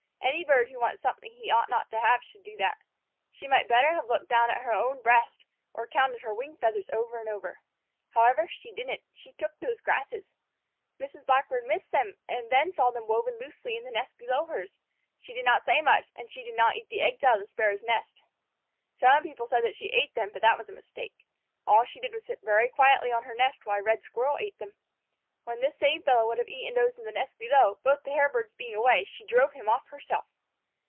Any bird who wants something he ought not to have should do that. She might better have looked down at her own breast, or counted her wing feathers over and over. However, she didn't. She took those grasses. Mrs. Blackbird missed them, and then saw them woven loosely into the nest below hers. She did not say much, and she did not eat the eggs out of the Sparrows' nest. Some people said that she ate them, but that was a mistake. All that she did was to sit very quietly on her nest while a Red Squirrel ate them. When this same fellow would have eaten those in the nest below, both the Hairbirds being away, she drove him off herself.